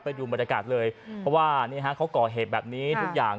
ไปดูบรรยากาศเลยเพราะว่านี่ฮะเขาก่อเหตุแบบนี้ทุกอย่าง